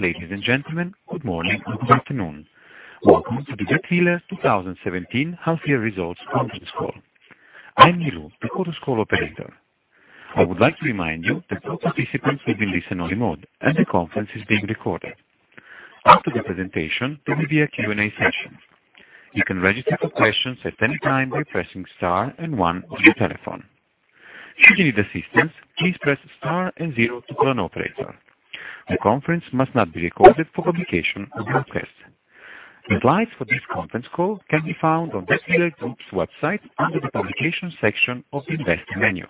Ladies and gentlemen, good morning and good afternoon. Welcome to the Dätwyler 2017 half-year results conference call. I am Lou, the conference call operator. I would like to remind you that all participants will be in listen-only mode, and the conference is being recorded. After the presentation, there will be a Q&A session. You can register for questions at any time by pressing star and one on your telephone. If you need assistance, please press star and zero to call an operator. The conference must not be recorded for publication or broadcast. The slides for this conference call can be found on Dätwyler Group's website under the Publication section of the Invest menu.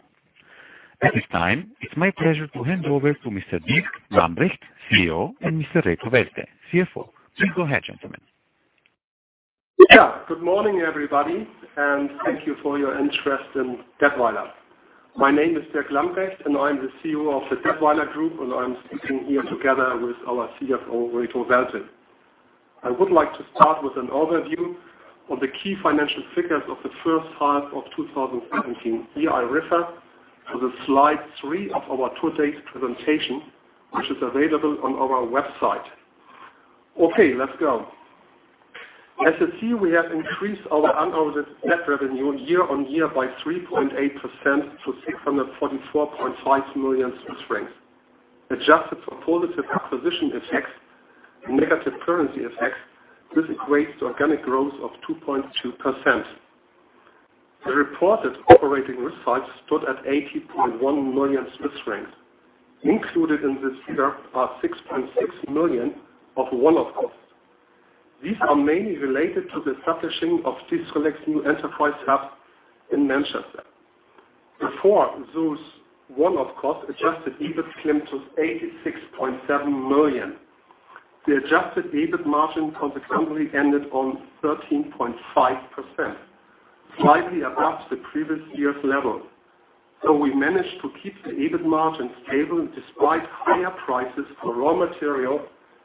At this time, it is my pleasure to hand over to Mr. Dirk Lambrecht, CEO, and Mr. Reto Welte, CFO. Please go ahead, gentlemen. Good morning, everybody, thank you for your interest in Dätwyler. My name is Dirk Lambrecht, and I am the CEO of the Dätwyler Group, and I am speaking here together with our CFO, Reto Welte. I would like to start with an overview of the key financial figures of the first half of 2017. Here I refer to slide three of our today's presentation, which is available on our website. Let's go. As you see, we have increased our unaudited net revenue year-on-year by 3.8% to 644.5 million. Adjusted for positive acquisition effects and negative currency effects, this equates to organic growth of 2.2%. The reported operating results stood at 80.1 million Swiss francs. Included in this figure are 6.6 million of one-off costs. These are mainly related to the establishing of Distrelec's new enterprise hub in Manchester. Before those one-off costs, adjusted EBIT climbed to 86.7 million. The adjusted EBIT margin consequently ended on 13.5%, slightly above the previous year's level. We managed to keep the EBIT margin stable despite higher prices for raw material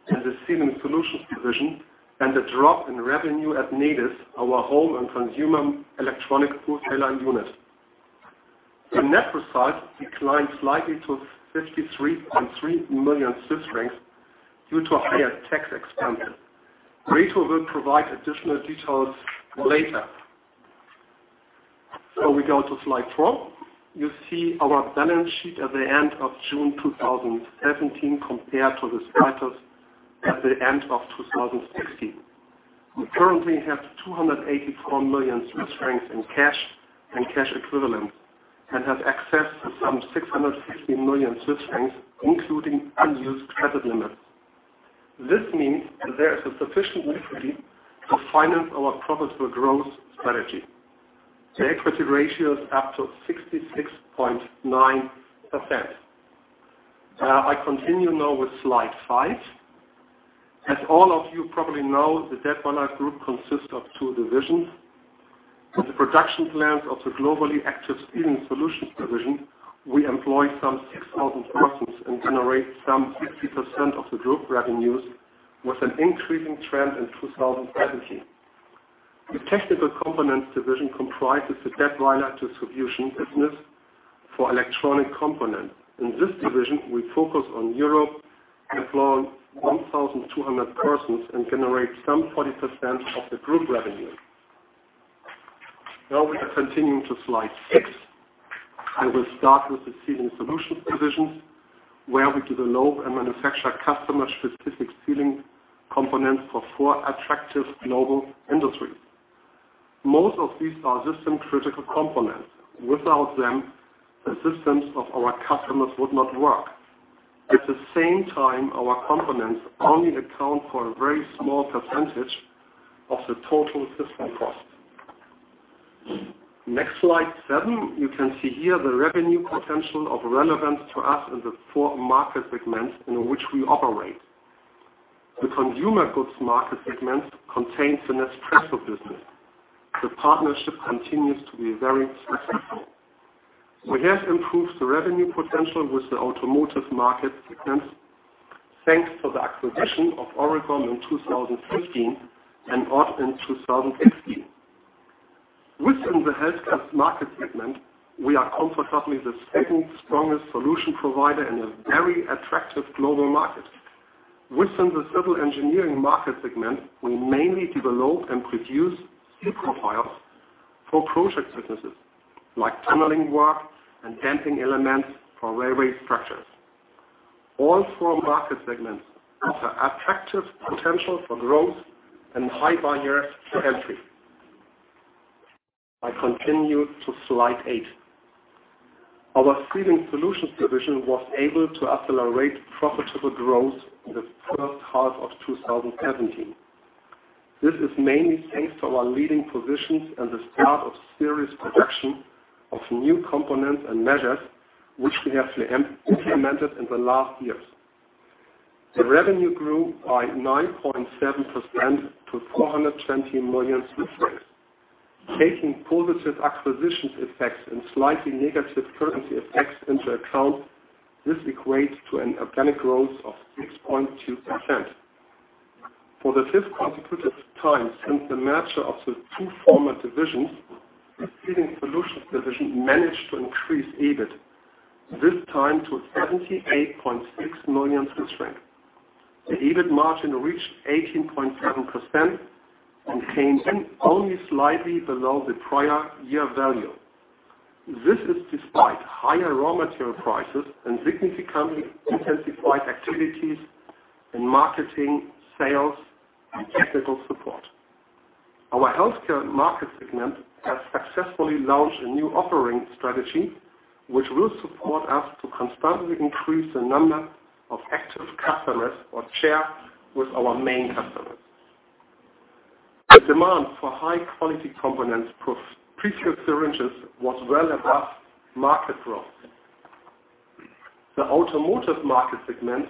in the Sealing Solutions division and a drop in revenue at Nedis, our home and consumer electronic tool hairline unit. The net result declined slightly to 53.3 million Swiss francs due to higher tax expenses. Reto will provide additional details later. We go to slide four. You see our balance sheet at the end of June 2017 compared to the status at the end of 2016. We currently have 284 million Swiss francs in cash and cash equivalents and have access to some 650 million Swiss francs, including unused credit limits. This means that there is a sufficient liquidity to finance our profitable growth strategy. The equity ratio is up to 66.9%. I continue now with slide five. As all of you probably know, the Dätwyler Group consists of two divisions. With the production plans of the globally active Sealing Solutions division, we employ some 6,000 persons and generate some 60% of the group revenues, with an increasing trend in 2017. The Technical Components division comprises the Dätwyler distribution business for electronic components. In this division, we focus on Europe, employ 1,200 persons, and generate some 40% of the group revenue. We are continuing to slide six. I will start with the Sealing Solutions division, where we develop and manufacture customer-specific sealing components for four attractive global industries. Most of these are system-critical components. Without them, the systems of our customers would not work. At the same time, our components only account for a very small percentage of the total system cost. Next, slide seven. You can see here the revenue potential of relevance to us in the four market segments in which we operate. The consumer goods market segment contains the Nespresso business. The partnership continues to be very successful. We have improved the revenue potential with the automotive market segment, thanks to the acquisition of Auricon in 2015 and Ott in 2016. Within the healthcare market segment, we are comfortably the second strongest solution provider in a very attractive global market. Within the civil engineering market segment, we mainly develop and produce seal profiles for project businesses like tunneling work and damping elements for railway structures. All four market segments offer attractive potential for growth and high barriers to entry. I continue to slide eight. Our Sealing Solutions division was able to accelerate profitable growth in the first half of 2017. This is mainly thanks to our leading positions and the start of serious production of new components and measures, which we have implemented in the last years. The revenue grew by 9.7% to 420 million Swiss francs. Taking positive acquisitions effects and slightly negative currency effects into account, this equates to an organic growth of 6.2%. For the fifth consecutive time since the merger of the two former divisions, the Sealing Solutions division managed to increase EBIT, this time to 78.6 million francs. The EBIT margin reached 18.7% and came in only slightly below the prior year value. This is despite higher raw material prices and significantly intensified activities in marketing, sales, and technical support. Our healthcare market segment has successfully launched a new operating strategy, which will support us to constantly increase the number of active customers or share with our main customers. The demand for high-quality components for prefilled syringes was well above market growth. The automotive market segment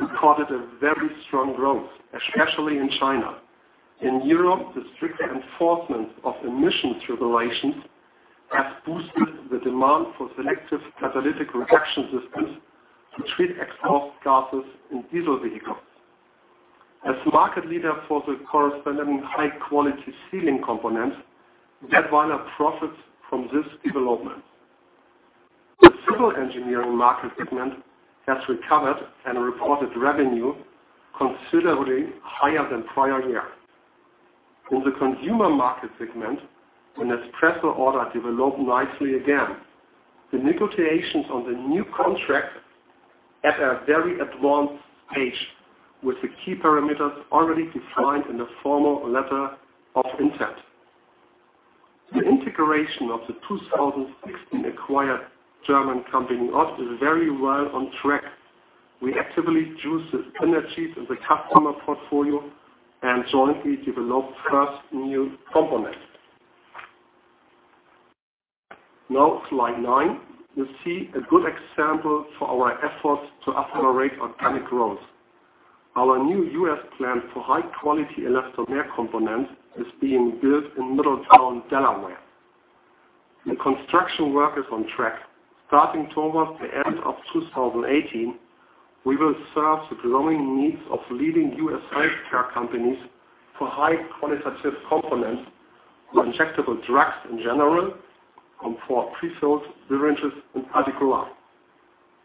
recorded a very strong growth, especially in China. In Europe, the strict enforcement of emissions regulations has boosted the demand for selective catalytic reduction systems to treat exhaust gases in diesel vehicles. As the market leader for the corresponding high-quality sealing components, Dätwyler profits from this development. The civil engineering market segment has recovered and reported revenue considerably higher than prior year. In the consumer market segment, the Nespresso order developed nicely again. The negotiations on the new contract at a very advanced stage with the key parameters already defined in the formal letter of intent. The integration of the 2016 acquired German company, Ott, is very well on track. We actively use the synergies of the customer portfolio and jointly develop first new components. Now slide nine. You see a good example for our efforts to accelerate organic growth. Our new U.S. plant for high-quality elastomer components is being built in Middletown, Delaware. The construction work is on track. Starting towards the end of 2018, we will serve the growing needs of leading U.S. healthcare companies for high-quality components for injectable drugs in general, and for prefilled syringes in particular.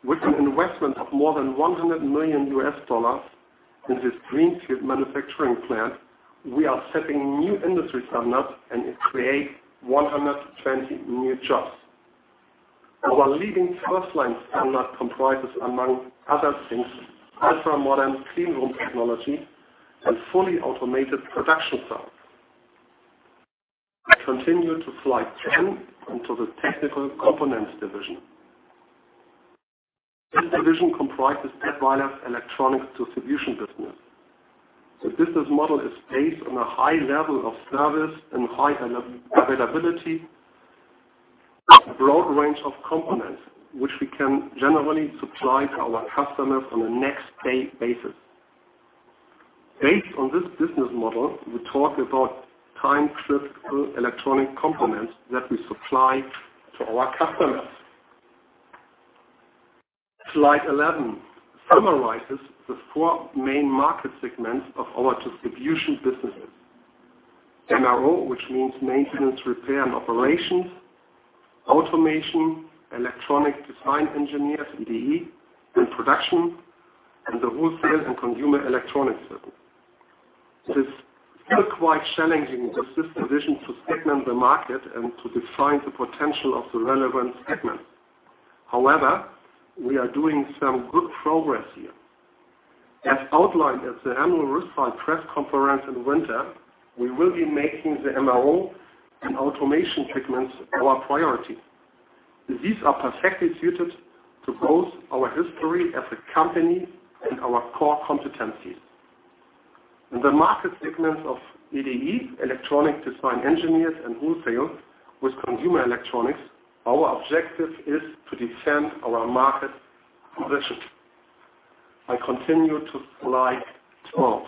With an investment of more than $100 million in this greenfield manufacturing plant, we are setting new industry standards, and it creates 120 new jobs. Our leading First Line standard comprises, among other things, ultra-modern clean room technology and fully automated production cells. I continue to slide 10, onto the Technical Components division. This division comprises Dätwyler's electronic distribution business. The business model is based on a high level of service and high availability, and a broad range of components, which we can generally supply to our customers on a next day basis. Based on this business model, we talk about time-critical electronic components that we supply to our customers. Slide 11 summarizes the four main market segments of our distribution businesses. MRO, which means maintenance, repair, and operations. Automation. Electronic design engineers, EDE. Production. The wholesale and consumer electronics business. It is still quite challenging for this division to segment the market and to define the potential of the relevant segments. However, we are doing some good progress here. As outlined at the annual results press conference in winter, we will be making the MRO and automation segments our priority, as these are perfectly suited to both our history as a company and our core competencies. In the market segments of EDE, electronic design engineers and wholesale with consumer electronics, our objective is to defend our market position. I continue to slide 12.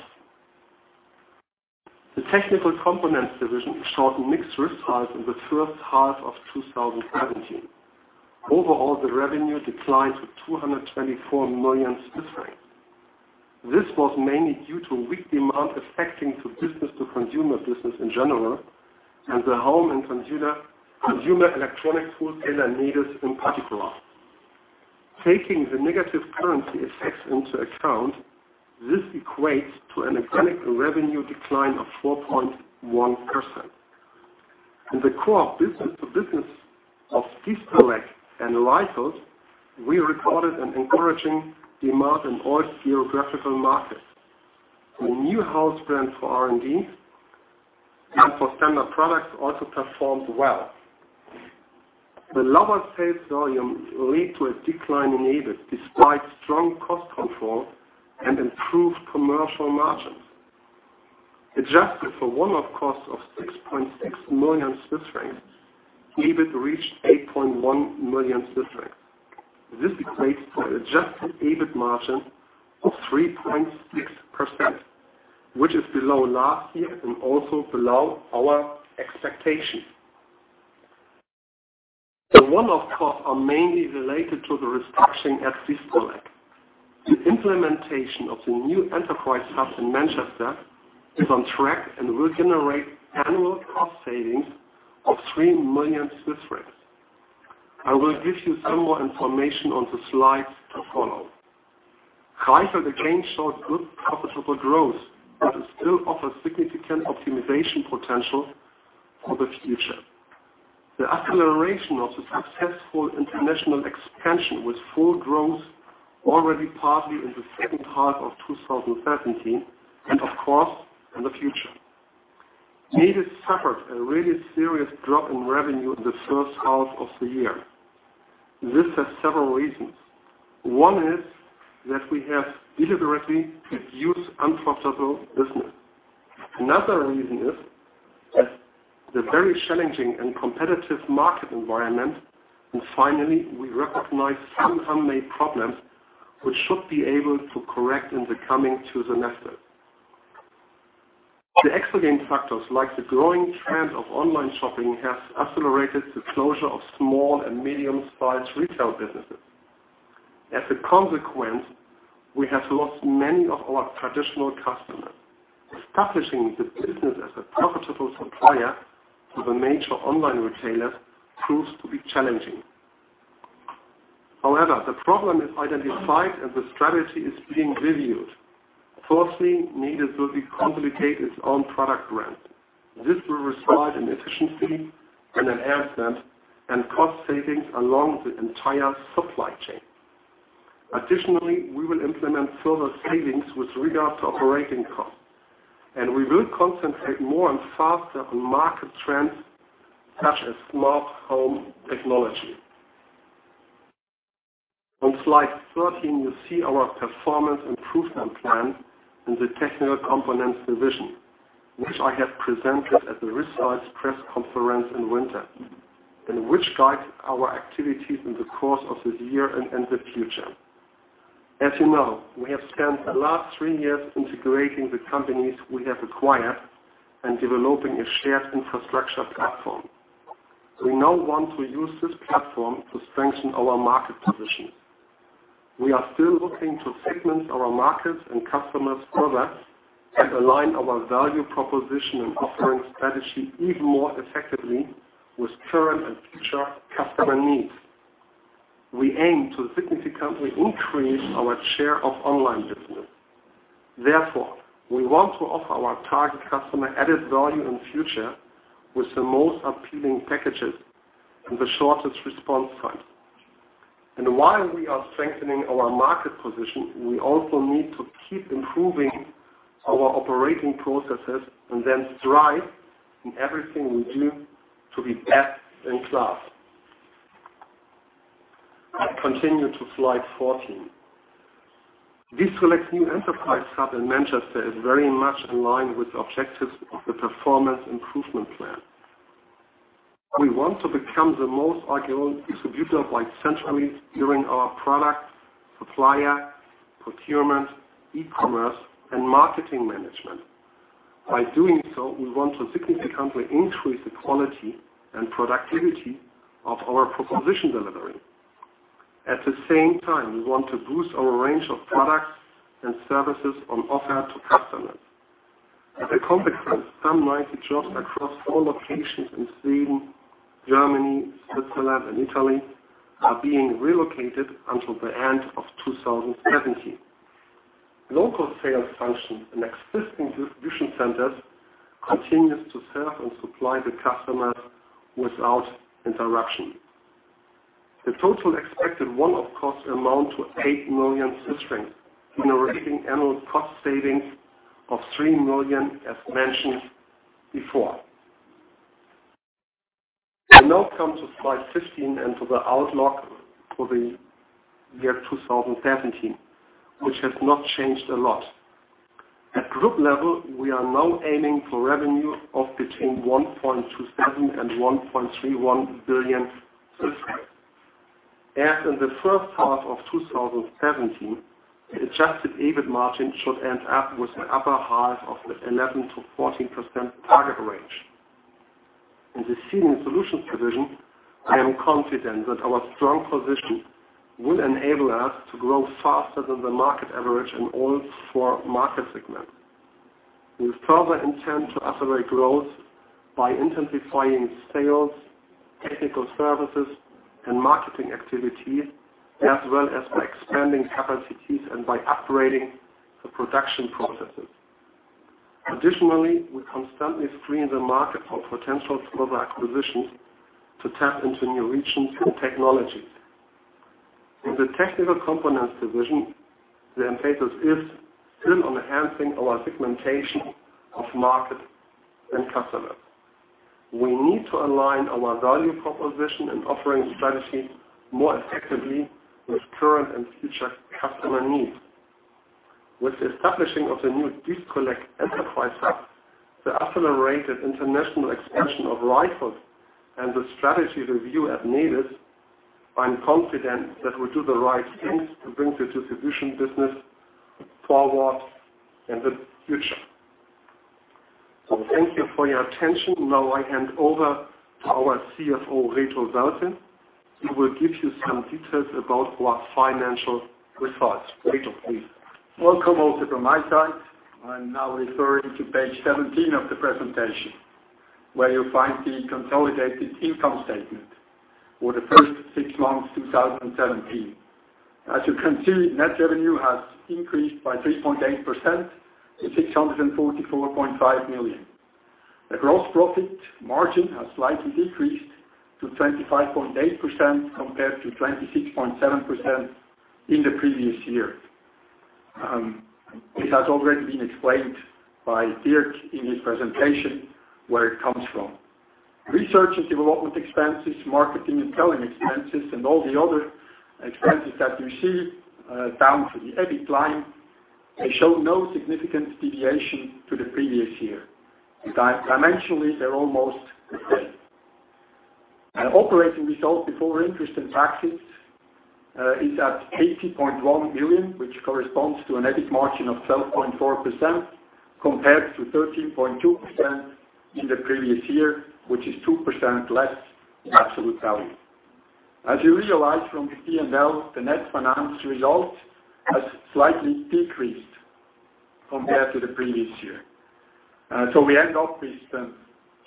The Technical Components Division showed mixed results in the first half of 2017. Overall, the revenue declined to 224 million Swiss francs. This was mainly due to weak demand affecting the business-to-consumer business in general and the home and consumer electronics wholesaler Nedis in particular. Taking the negative currency effects into account, this equates to an organic revenue decline of 4.1%. In the core business-to-business of Distrelec and [Lyfol], we recorded an encouraging demand in all geographical markets. The new house brand for RND and for standard products also performed well. The lower sales volume led to a decline in EBIT despite strong cost control and improved commercial margins. Adjusted for one-off costs of 6.6 million Swiss francs, EBIT reached 8.1 million Swiss francs. This equates to an adjusted EBIT margin of 3.6%, which is below last year and also below our expectation. The one-off costs are mainly related to the restructuring at Distrelec. The implementation of the new enterprise hub in Manchester is on track and will generate annual cost savings of 3 million Swiss francs. I will give you some more information on the slides to follow. Reichelt again showed good profitable growth, but it still offers significant optimization potential for the future. The acceleration of the successful international expansion with full growth already partly in the second half of 2017 and, of course, in the future. Nedis suffered a really serious drop in revenue in the first half of the year. This has several reasons. One is that we have deliberately reduced unprofitable business. Another reason is that the very challenging and competitive market environment. Finally, we recognize some homemade problems which should be able to correct in the coming two semesters. The exogenous factors like the growing trend of online shopping has accelerated the closure of small and medium-sized retail businesses. As a consequence, we have lost many of our traditional customers. Establishing the business as a profitable supplier to the major online retailers proves to be challenging. However, the problem is identified and the strategy is being reviewed. Firstly, Nedis will be consolidating its own product brand. This will result in efficiency and enhancement and cost savings along the entire supply chain. Additionally, we will implement further savings with regard to operating costs, and we will concentrate more and faster on market trends such as smart home technology. On slide 13, you see our performance improvement plan in the Technical Components division, which I have presented at the results press conference in winter, and which guides our activities in the course of this year and in the future. As you know, we have spent the last three years integrating the companies we have acquired and developing a shared infrastructure platform. We now want to use this platform to strengthen our market position. We are still looking to segment our markets and customer service and align our value proposition and offering strategy even more effectively with current and future customer needs. We aim to significantly increase our share of online business. Therefore, we want to offer our target customer added value in future with the most appealing packages and the shortest response times. While we are strengthening our market position, we also need to keep improving our operating processes and then strive in everything we do to be best in class. I continue to slide 14. Distrelec's new enterprise hub in Manchester is very much in line with the objectives of the performance improvement plan. We want to become the most agile distributor by centrally steering our product, supplier, procurement, e-commerce, and marketing management. By doing so, we want to significantly increase the quality and productivity of our proposition delivery. At the same time, we want to boost our range of products and services on offer to customers. As a consequence, some light jobs across all locations in Sweden, Germany, Switzerland, and Italy are being relocated until the end of 2017. Local sales function and existing distribution centers continue to serve and supply the customers without interruption. The total expected one-off costs amount to 8 million, generating annual cost savings of 3 million as mentioned before. I now come to slide 15 and to the outlook for the year 2017, which has not changed a lot. At group level, we are now aiming for revenue of between 1.27 billion-1.31 billion. As in the first half of 2017, the adjusted EBIT margin should end up with an upper half of the 11%-14% target range. In the Sealing Solutions division, I am confident that our strong position will enable us to grow faster than the market average in all four market segments. We further intend to accelerate growth by intensifying sales, technical services, and marketing activities, as well as by expanding capacities and by upgrading the production processes. Additionally, we constantly screen the market for potential further acquisitions to tap into new regions and technologies. In the Technical Components division, the emphasis is still on enhancing our segmentation of markets and customers. We need to align our value proposition and offering strategy more effectively with current and future customer needs. With the establishing of the new Distrelec enterprise hub, the accelerated international expansion of Reichelt, and the strategy review at Nedis, I am confident that we do the right things to bring the distribution business forward in the future. Thank you for your attention. Now I hand over to our CFO, Reto Welte. He will give you some details about our financial results. Reto, please. Welcome also from my side. I'm now referring to page 17 of the presentation, where you'll find the consolidated income statement for the first six months, 2017. As you can see, net revenue has increased by 3.8% to 644.5 million. The gross profit margin has slightly decreased to 25.8% compared to 26.7% in the previous year. This has already been explained by Dirk in his presentation, where it comes from. Research and development expenses, marketing and selling expenses, and all the other expenses that you see down for the EBIT line, they show no significant deviation to the previous year. Dimensionally, they're almost the same. Operating results before interest and taxes is at 80.1 million, which corresponds to an EBIT margin of 12.4%, compared to 13.2% in the previous year, which is 2% less in absolute value. As you realize from the P&L, the net finance result has slightly decreased compared to the previous year. We end up with an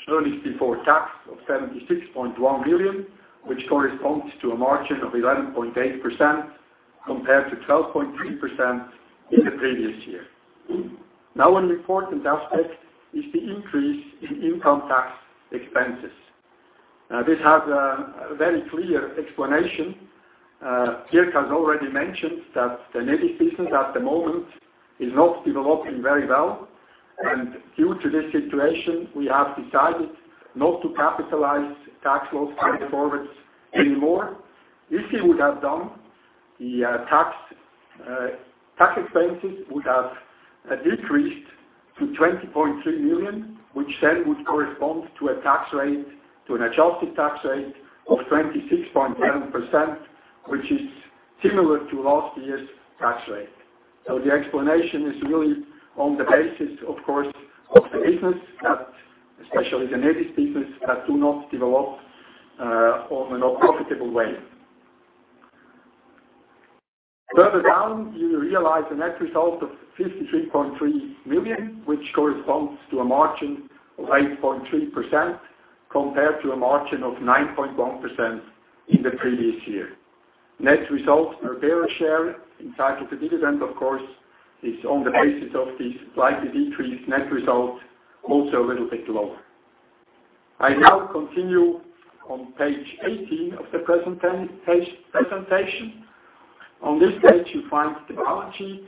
earnings before tax of 76.1 million, which corresponds to a margin of 11.8% compared to 12.3% in the previous year. An important aspect is the increase in income tax expenses. This has a very clear explanation. Dirk has already mentioned that the Nedis business at the moment is not developing very well, due to this situation, we have decided not to capitalize tax loss carryforwards anymore. If we would have done, the tax expenses would have decreased to 20.3 million, which then would correspond to an adjusted tax rate of 26.7%, which is similar to last year's tax rate. The explanation is really on the basis, of course, of the business that, especially the Nedis business, that do not develop on a profitable way. Further down, you realize a net result of 53.3 million, which corresponds to a margin of 8.3% compared to a margin of 9.1% in the previous year. Net results per bearer share in size of the dividend, of course, is on the basis of the slightly decreased net result, also a little bit lower. I now continue on page 18 of the presentation. On this page, you find the balance sheet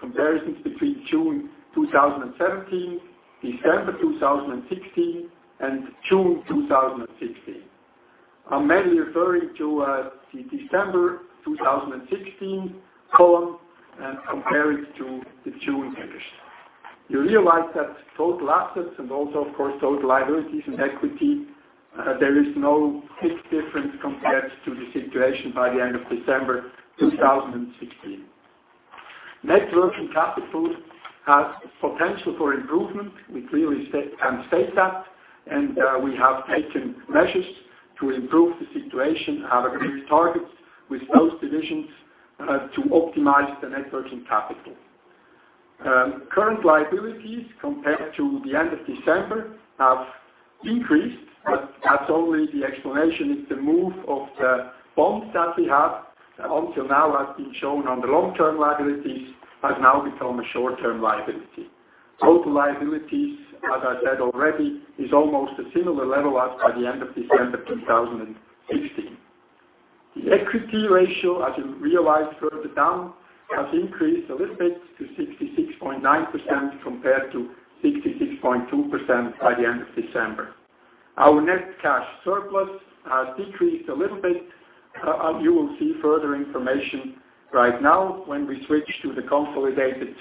comparisons between June 2017, December 2016, and June 2016. I'm mainly referring to the December 2016 column and compare it to the June figures. You realize that both assets and also, of course, both liabilities and equity, there is no big difference compared to the situation by the end of December 2016. Net working capital has potential for improvement. We clearly can state that, we have taken measures to improve the situation, have agreed targets with those divisions to optimize the net working capital. Current liabilities compared to the end of December have increased, as always, the explanation is the move of the bonds that we have until now has been shown on the long-term liabilities has now become a short-term liability. Total liabilities, as I said already, is almost a similar level as by the end of December 2016. The equity ratio, as you realize further down, has increased a little bit to 66.9% compared to 66.2% by the end of December. Our net cash surplus has decreased a little bit. You will see further information right now when we switch to the consolidated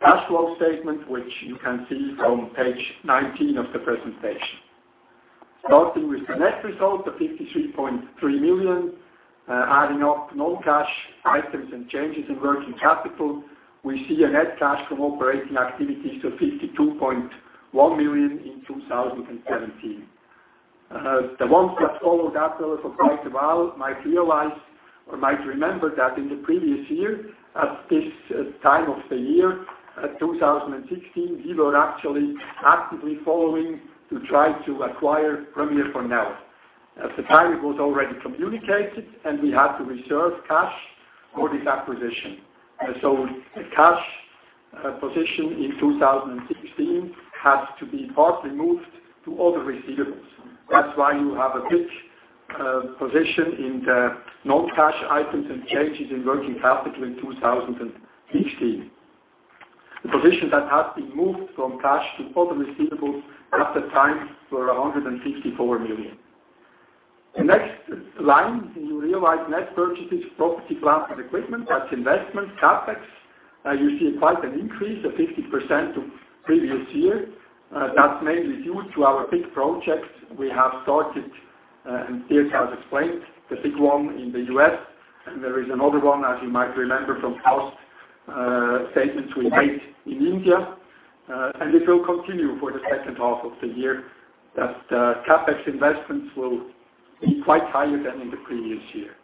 cash flow statement, which you can see on page 19 of the presentation. Starting with the net result of 53.3 million, adding up non-cash items and changes in working capital, we see a net cash from operating activities of 52.1 million in 2017. The ones that followed that for quite a while might realize or might remember that in the previous year, at this time of the year, 2016, we were actually actively following to try to acquire Premier Farnell. At the time, it was already communicated, and we had to reserve cash for this acquisition. The cash position in 2016 had to be partly moved to other receivables. That's why you have a big position in the non-cash items and changes in working capital in 2016. The position that had been moved from cash to other receivables at that time were 164 million. The next line, you realize net purchases, property, plant, and equipment, that's investment, CapEx. You see quite an increase of 50% to previous year. That's mainly due to our big projects we have started. Dirk has explained the big one in the U.S., and there is another one, as you might remember from past statements we made in India. It will continue for the second half of the year that the CapEx investments will be quite higher than in the previous year.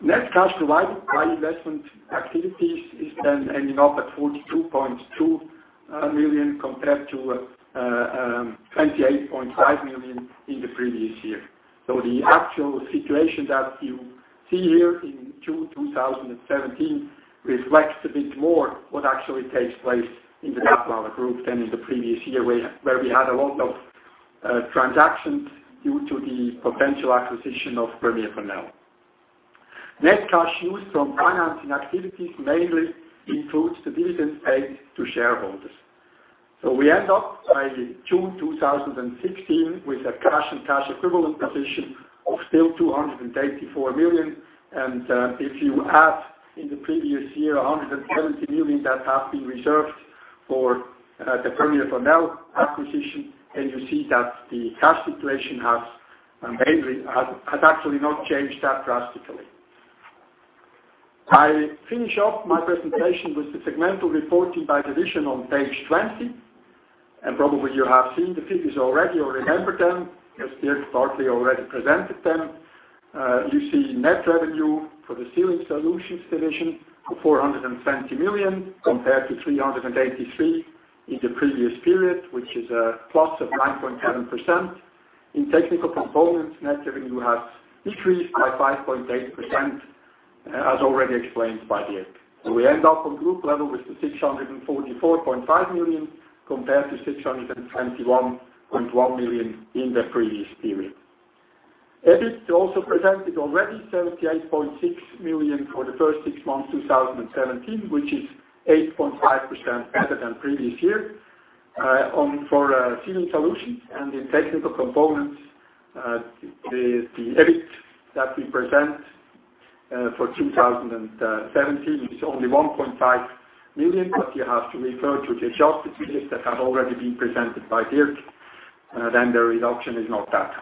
Net cash provided by investment activities is then ending up at 42.2 million compared to 28.5 million in the previous year. The actual situation that you see here in Q2 2017 reflects a bit more what actually takes place in the Dätwyler Group than in the previous year, where we had a lot of transactions due to the potential acquisition of Premier Farnell. Net cash used from financing activities mainly includes the dividends paid to shareholders. We end up by June 2016 with a cash and cash equivalent position of still 284 million. If you add in the previous year, 170 million that have been reserved for the Premier Farnell acquisition, you see that the cash situation has actually not changed that drastically. I finish off my presentation with the segmental reporting by division on page 20. Probably you have seen the figures already or remember them as Dirk partly already presented them. You see net revenue for the Sealing Solutions division of 420 million compared to 383 in the previous period, which is a plus of 9.7%. In Technical Components, net revenue has decreased by 5.8%, as already explained by Dirk. We end up on group level with the 644.5 million compared to 621.1 million in the previous period. EBIT also presented already 78.6 million for the first six months 2017, which is 8.5% better than previous year for Sealing Solutions. In Technical Components, the EBIT that we present for 2017 is only 1.5 million, but you have to refer to the adjusted EBIT that have already been presented by Dirk, then the reduction is not that.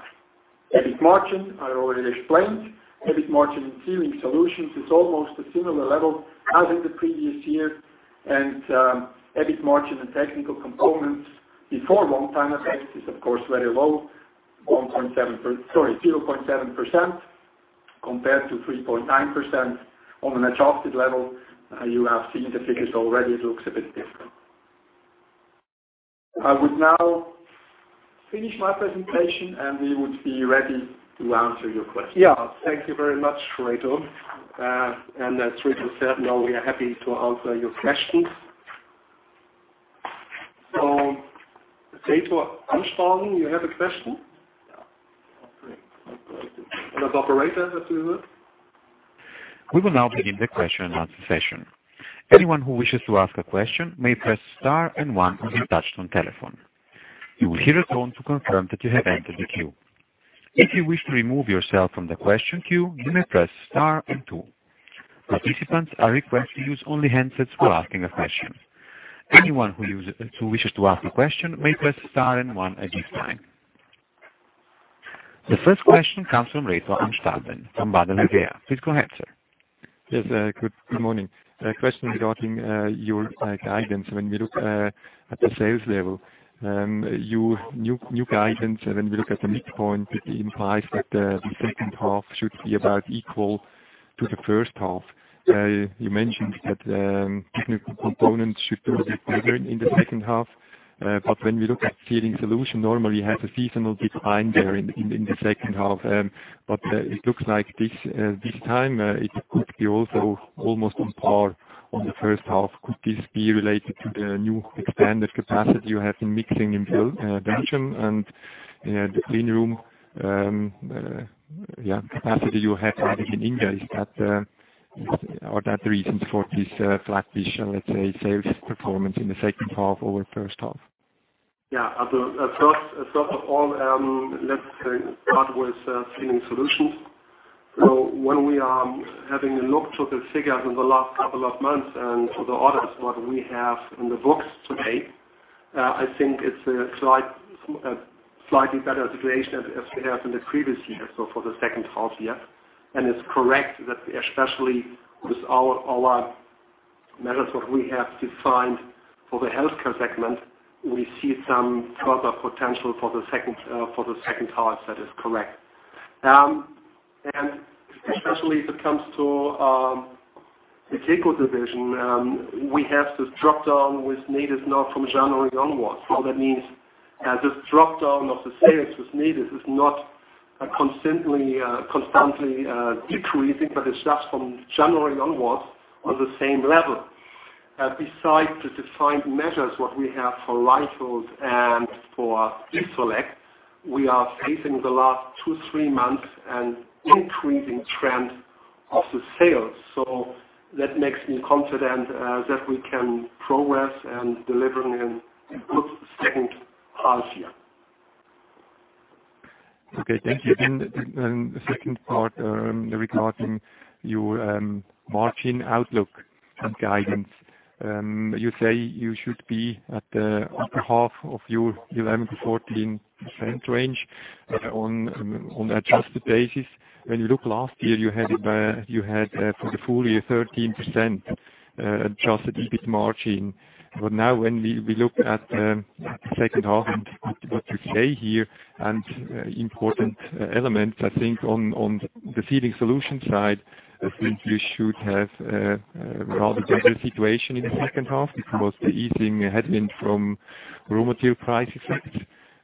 EBIT margin, I already explained. EBIT margin in Sealing Solutions is almost a similar level as in the previous year. EBIT margin in Technical Components before one-time effect is, of course, very low, 0.7% compared to 3.9% on an adjusted level. You have seen the figures already. It looks a bit different. I would now finish my presentation, and we would be ready to answer your questions. Thank you very much, Reto. As Reto said, now we are happy to answer your questions. Reto Amstutz, you have a question? Yeah. As operator, if you would. We will now begin the question and answer session. Anyone who wishes to ask a question may press star and one on your touch-tone telephone. You will hear a tone to confirm that you have entered the queue. If you wish to remove yourself from the question queue, you may press star and two. Participants are requested to use only handsets for asking a question. Anyone who wishes to ask a question may press star and one at this time. The first question comes from Reto Amstutz from Baader Helvea. Please go ahead, sir. Good morning. A question regarding your guidance. When we look at the sales level, your new guidance, when we look at the midpoint, it implies that the second half should be about equal to the first half. You mentioned that Technical Components should do a bit better in the second half. When we look at Sealing Solutions, normally you have a seasonal decline there in the second half. It looks like this time, it could be also almost on par on the first half. Could this be related to the new expanded capacity you have in mixing in Schattdorf and the clean room capacity you have added in India? Are that the reasons for this flat-ish, let's say, sales performance in the second half over first half? First of all, let's start with Sealing Solutions. When we are having a look to the figures in the last couple of months and to the orders, what we have in the books today, I think it's a slightly better situation as we have in the previous year, for the second half year. It's correct that especially with our measures what we have defined for the healthcare segment, we see some further potential for the second half. That is correct. Especially if it comes to the technical division, we have this drop-down with Nedis now from January onwards. That means this drop-down of the sales with Nedis is not constantly decreasing, but it's just from January onwards on the same level. Okay, thank you. Besides the defined measures, what we have for Reichelt and for Distrelec, we are facing the last two, three months an increasing trend of the sales. That makes me confident that we can progress and deliver a good second half year. Okay, thank you. The second part regarding your margin outlook and guidance. You say you should be at the upper half of your 11%-14% range on an adjusted basis. When you look last year, you had for the full year 13% adjusted EBIT margin. Now when we look at the second half and what you say here, important elements, I think on the Sealing Solutions side, I think you should have a rather better situation in the second half because the easing headwind from raw material price effect.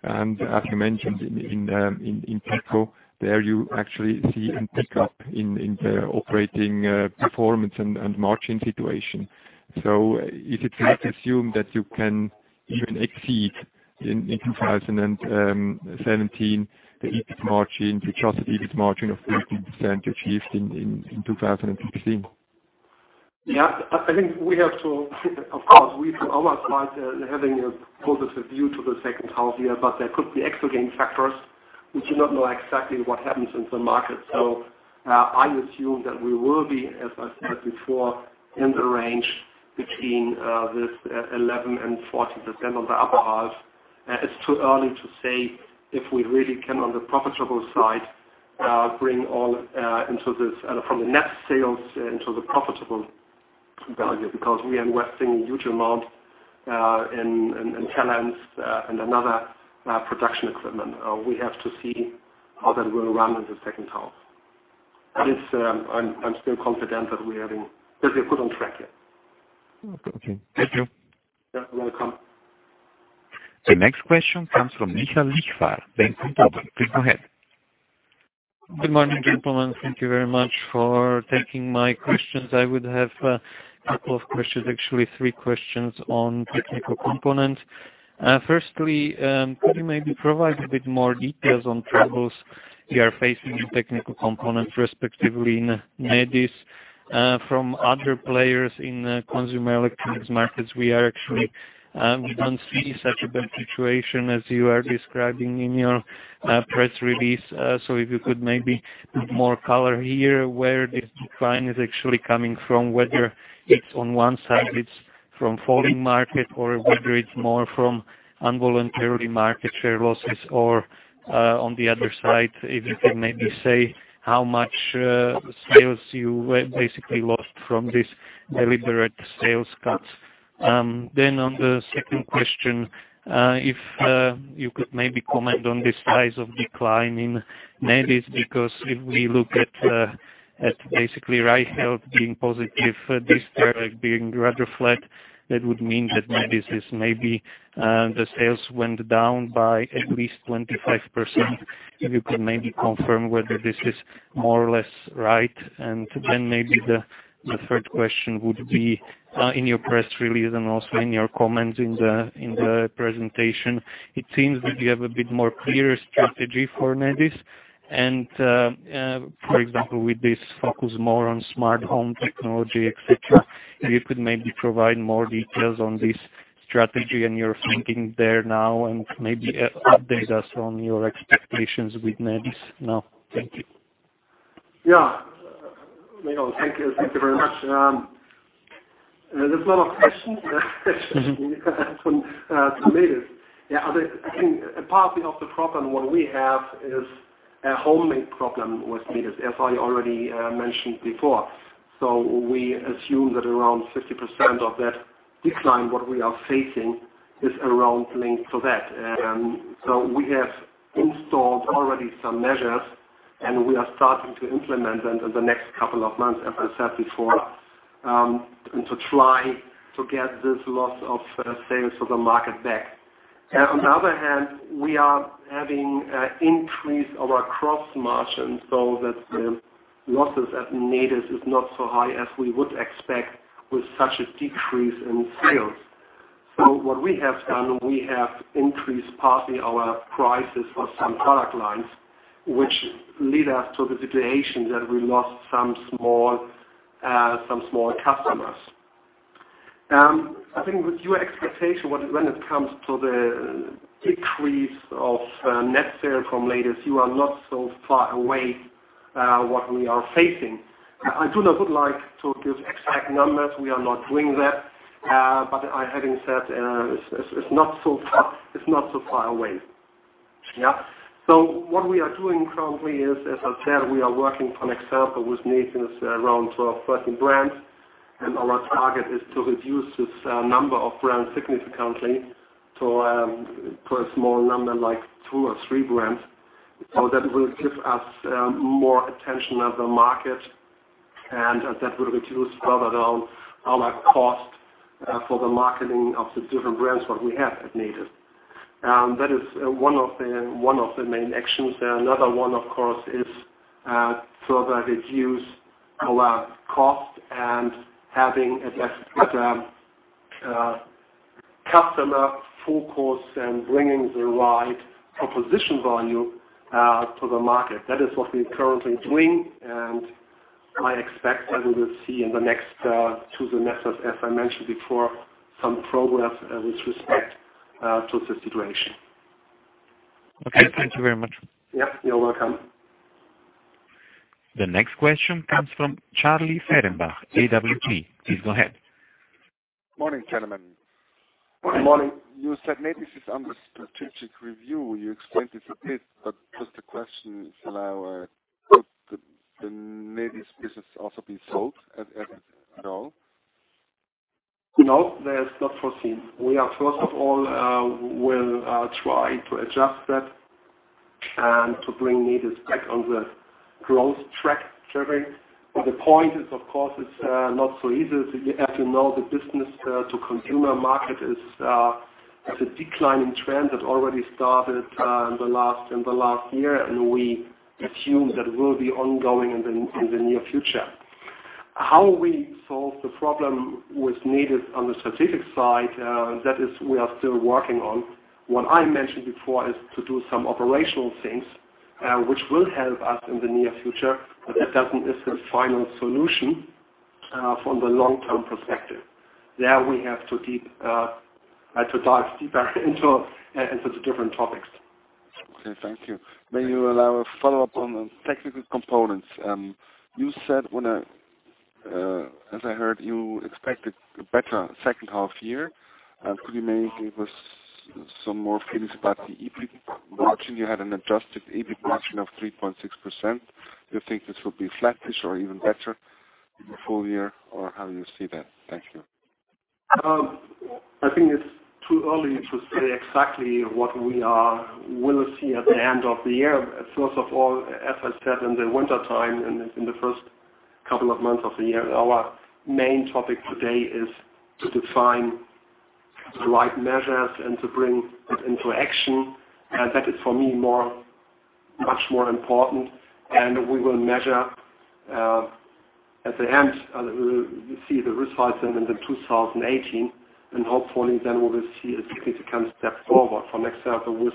And as you mentioned in [Petko], there you actually see a pickup in the operating performance and margin situation. Is it safe to assume that you can even exceed in 2017, the adjusted EBIT margin of 13% you achieved in 2016? Of course, we are almost like having a positive view to the second half year, but there could be exogenous factors. We do not know exactly what happens in the market. I assume that we will be, as I said before, in the range between this 11% and 14% on the upper half. It's too early to say if we really can, on the profitable side, bring all from the net sales into the profitable value, because we are investing huge amount in talents and another production equipment. We have to see how that will run in the second half. I'm still confident that we're good on track here. Okay. Thank you. You're welcome. The next question comes from Michael Liechti, Bank of Tokyo. Please go ahead. Good morning, gentlemen. Thank you very much for taking my questions. I would have a couple of questions, actually, three questions on Technical Components. Firstly, could you maybe provide a bit more details on troubles you are facing in Technical Components, respectively in Nedis. From other players in consumer electronics markets, we don't see such a bad situation as you are describing in your press release. If you could maybe put more color here where this decline is actually coming from, whether it's on one side, it's from falling market or whether it's more from involuntary market share losses. On the other side, if you could maybe say how much sales you basically lost from this deliberate sales cuts. On the second question, if you could maybe comment on the size of decline in Nedis, because if we look at basically Reichelt being positive for Distrelec being rather flat, that would mean that Nedis is maybe the sales went down by at least 25%. If you could maybe confirm whether this is more or less right. Maybe the third question would be in your press release and also in your comments in the presentation, it seems that you have a bit more clear strategy for Nedis. For example, with this focus more on smart home technology, et cetera, if you could maybe provide more details on this strategy and your thinking there now and maybe update us on your expectations with Nedis now. Thank you. Michael Liechti, thank you very much. There's a lot of questions from Nedis. I think a part of the problem, what we have is a homemade problem with Nedis, as I already mentioned before. We assume that around 50% of that decline, what we are facing is around linked to that. We have installed already some measures, and we are starting to implement them in the next couple of months, as I said before, to try to get this loss of sales to the market back. On the other hand, we are having an increase of our cross margin, so that the losses at Nedis is not so high as we would expect with such a decrease in sales. What we have done, we have increased partly our prices for some product lines, which lead us to the situation that we lost some small customers. I think with your expectation when it comes to the decrease of net sale from Nedis, you are not so far away what we are facing. I do not would like to give exact numbers. We are not doing that. But having said, it's not so far away. What we are doing currently is, as I said, we are working for example with Nedis around 12, 13 brands, and our target is to reduce this number of brands significantly to a small number, like two or three brands. That will give us more attention at the market, and that will reduce further down our cost for the marketing of the different brands what we have at Nedis. That is one of the main actions there. Another one, of course, is further reduce our cost and having a better customer focus and bringing the right proposition value to the market. That is what we are currently doing, and I expect that we will see in the next two quarters, as I mentioned before, some progress with respect to the situation. Okay. Thank you very much. Yeah. You're welcome. The next question comes from Charlie Ferenbach, AWP. Please go ahead. Morning, gentlemen. Morning. You said Nedis is under strategic review. You explained this a bit, but just a question, if I may. Could the Nedis business also be sold as everything at all? No, that is not foreseen. We first of all will try to adjust that and to bring Nedis back on the growth track, Charlie. The point is, of course, it's not so easy. As you know, the business-to-consumer market is at a declining trend that already started in the last year, we assume that it will be ongoing in the near future. How we solve the problem with Nedis on the strategic side, that is, we are still working on. What I mentioned before is to do some operational things, which will help us in the near future. That isn't the final solution from the long-term perspective. There we have to dive deeper into the different topics. Okay. Thank you. May you allow a follow-up on the Technical Components? You said, as I heard, you expected a better second half year. Could you maybe give us some more feelings about the EBIT margin? You had an adjusted EBIT margin of 3.6%. Do you think this will be flattish or even better in the full year, or how do you see that? Thank you. I think it's too early to say exactly what we will see at the end of the year. First of all, as I said, in the wintertime and in the first couple of months of the year, our main topic today is to define the right measures and to bring that into action. That is, for me, much more important. We will measure at the end, we will see the results in 2018, and hopefully then we will see a significant step forward. For example,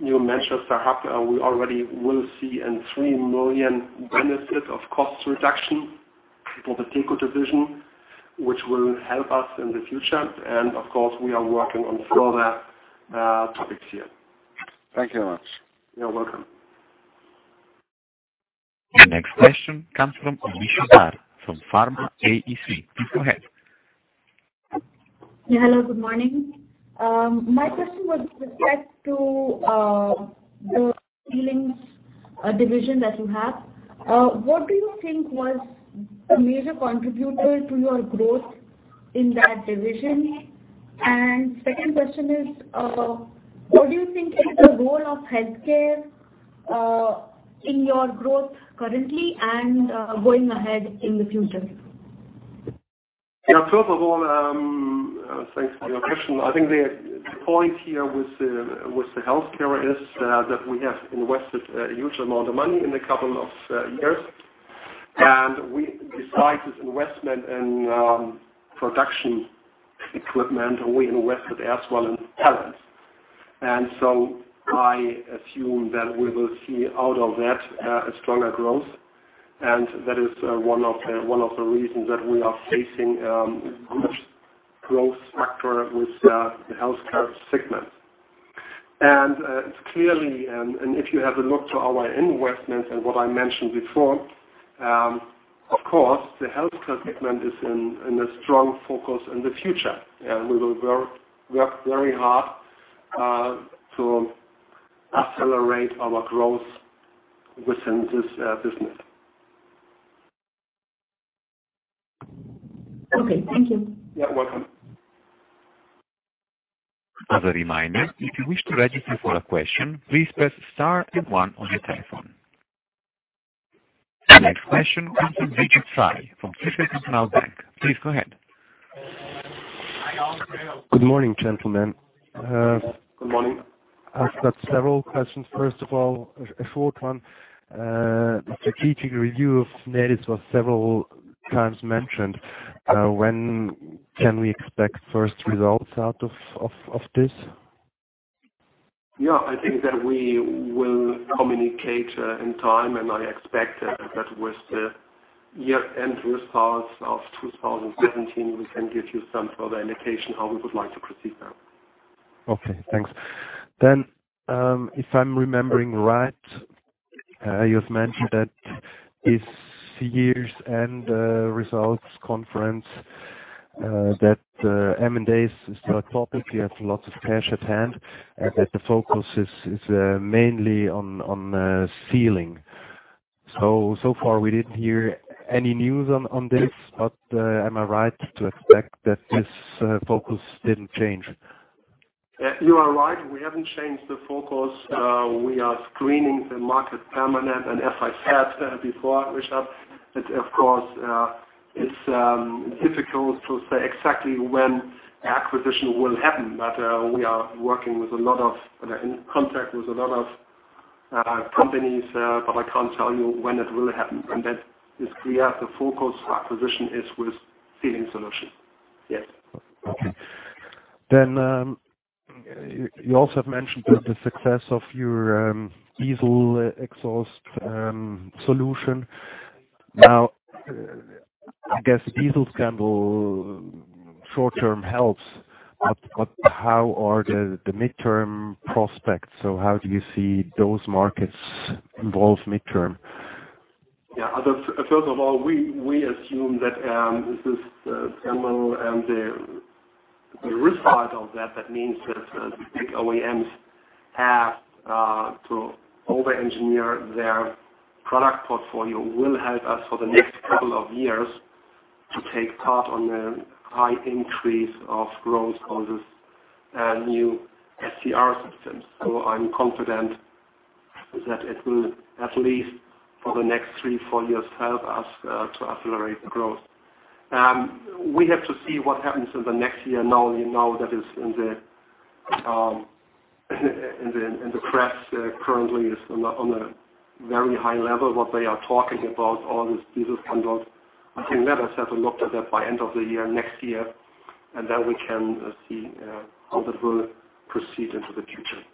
with new measures perhaps we already will see a 3 million benefit of cost reduction for the Technical Components division, which will help us in the future. Of course, we are working on further topics here. Thank you very much. You're welcome. The next question comes from Amisha Dhar, from Pharma AEC. Please go ahead. Hello, good morning. My question was with respect to the Sealing Solutions division that you have. What do you think was a major contributor to your growth in that division? Second question is, what do you think is the role of healthcare in your growth currently and going ahead in the future? Yeah. First of all, thanks for your question. I think the point here with the healthcare is that we have invested a huge amount of money in a couple of years. Besides this investment in production equipment, we invested as well in talents. I assume that we will see out of that a stronger growth, and that is one of the reasons that we are facing a much growth factor with the healthcare segment. It's clear, and if you have a look to our investments and what I mentioned before, of course, the healthcare segment is in a strong focus in the future. We will work very hard to accelerate our growth within this business. Okay. Thank you. You're welcome. As a reminder, if you wish to register for a question, please press star and one on your telephone. The next question comes from Richard Frey from Deutsche Bank. Please go ahead. Good morning, gentlemen. Good morning. I've got several questions. First of all, a short one. The strategic review of Nedis was several times mentioned. When can we expect first results out of this? Yeah, I think that we will communicate in time, and I expect that with the year-end results of 2017, we can give you some further indication how we would like to proceed there. Okay, thanks. If I'm remembering right, you have mentioned that this year's end results conference, that M&A is still a topic. You have lots of cash at hand and that the focus is mainly on Sealing. So far we didn't hear any news on this. Am I right to expect that this focus didn't change? You are right. We haven't changed the focus. We are screening the market permanently. As I said before, Richard, it of course is difficult to say exactly when acquisition will happen. We are working in contact with a lot of companies, I can't tell you when it will happen. That is clear. The focus acquisition is with Sealing Solutions. Yes. Okay. You also have mentioned the success of your diesel exhaust solution. I guess diesel scandal short-term helps, how are the midterm prospects? How do you see those markets evolve midterm? First of all, we assume that this is the scandal and the risk side of that means that the big OEMs have to over-engineer their product portfolio will help us for the next couple of years to take part on the high increase of growth on this new SCR systems. I'm confident that it will, at least for the next three, four years, help us to accelerate the growth. We have to see what happens in the next year. You know that is in the press currently is on a very high level, what they are talking about, all this diesel scandal. I think that has to have a look at that by end of the year, next year, and then we can see how that will proceed into the future.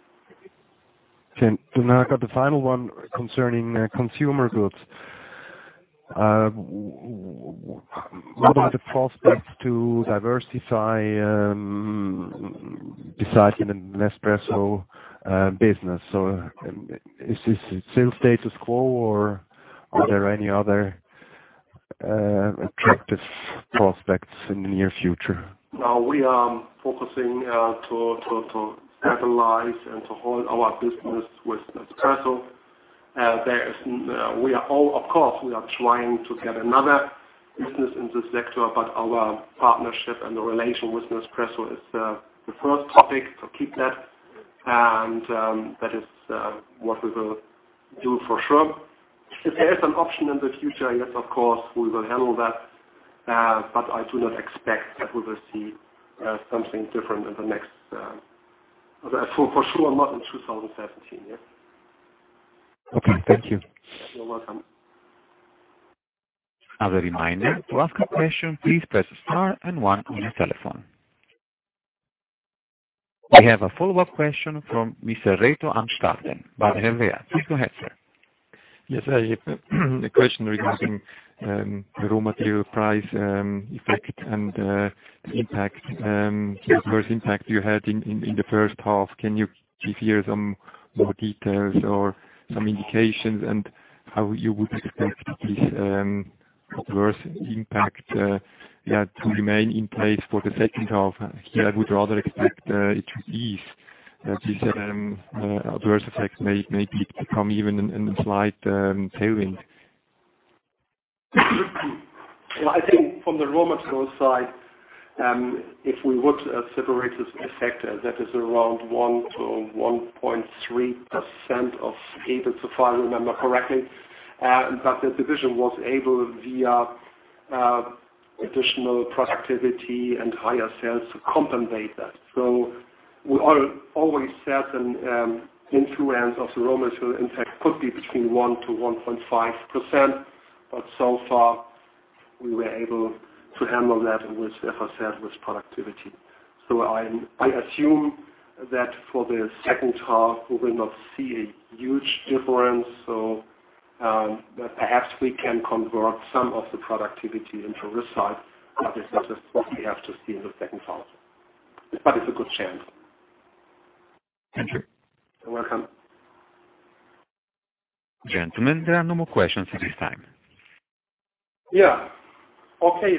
I got the final one concerning consumer goods. What are the prospects to diversify besides the Nespresso business? Is this still status quo, or are there any other attractive prospects in the near future? We are focusing to stabilize and to hold our business with Nespresso. Of course, we are trying to get another business in this sector, our partnership and the relation with Nespresso is the first topic, keep that. That is what we will do for sure. If there is an option in the future, yes, of course, we will handle that. I do not expect that we will see something different for sure, not in 2017. Thank you. You're welcome. As a reminder, to ask a question, please press star and one on your telephone. We have a follow-up question from Mr. Reto Amstutz. Please go ahead, sir. Yes. A question regarding raw material price effect and the adverse impact you had in the first half. Can you give here some more details or some indications and how you would expect this adverse impact to remain in place for the second half? Here, I would rather expect it to ease, this adverse effect may become even a slight tailwind. I think from the raw material side, if we would separate this effect, that is around 1%-1.3% of EBIT, if I remember correctly. The division was able, via additional productivity and higher sales, to compensate that. We always said an influence of the raw material impact could be between 1%-1.5%, but so far, we were able to handle that with, as I said, with productivity. I assume that for the second half, we will not see a huge difference. Perhaps we can convert some of the productivity into risk side. This is what we have to see in the second half. It's a good chance. Thank you. You're welcome. Gentlemen, there are no more questions at this time. Yeah. Okay.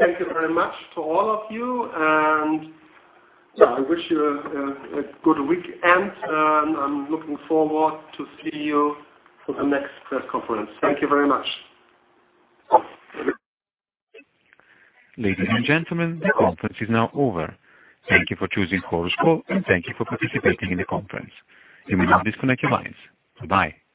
Thank you very much to all of you. I wish you a good weekend. I'm looking forward to see you for the next press conference. Thank you very much. Ladies and gentlemen, the conference is now over. Thank you for choosing Chorus Call, and thank you for participating in the conference. You may now disconnect your lines. Bye-bye.